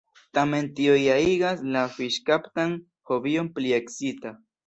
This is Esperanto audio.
Tamen tio ja igas la fiŝkaptan hobion pli ekscita!